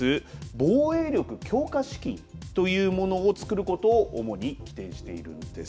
防衛力強化資金というものを作ることを主に規定しているんです。